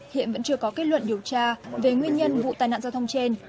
hiện vẫn chưa có kết luận điều tra về nguyên nhân vụ tai nạn giao thông trên